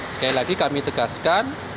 sekali lagi kami tegaskan